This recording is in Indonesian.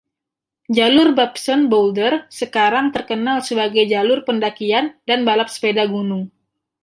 Jalur Babson Boulder sekarang terkenal sebagai jalur pendakian dan balap sepeda gunung.